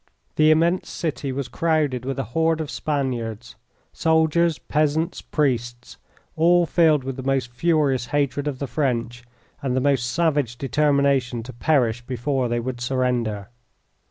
The immense city was crowded with a horde of Spaniards soldiers, peasants, priests all filled with the most furious hatred of the French, and the most savage determination to perish before they would surrender.